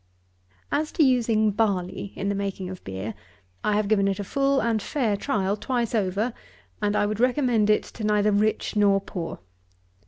_) 38. As to using barley in the making of beer, I have given it a full and fair trial twice over, and I would recommend it to neither rich nor poor.